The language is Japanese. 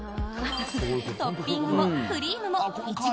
トッピングもクリームもイチゴ